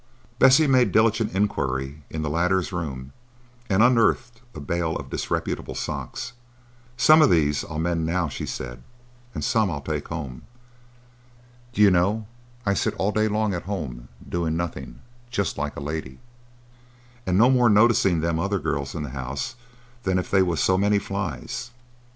Bessie made diligent inquiry in the latter's room, and unearthed a bale of disreputable socks. "Some of these I'll mend now," she said, "and some I'll take home. D'you know, I sit all day long at home doing nothing, just like a lady, and no more noticing them other girls in the house than if they was so many flies.